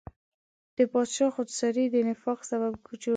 د پاچا خودسرۍ د نفاق سبب جوړ کړ.